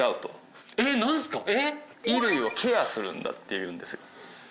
衣類をケアするんだっていうんですよ。